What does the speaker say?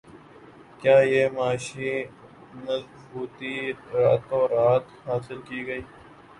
کیا یہ معاشی مضبوطی راتوں رات حاصل کی گئی